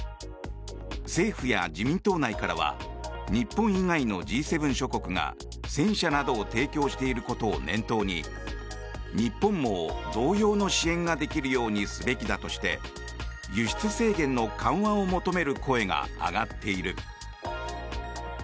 政府や自民党内からは日本以外のＧ７諸国が戦車などを提供していることを念頭に日本も同様の支援ができるようにすべきだとして輸出制限の緩和を求める声が上がっている。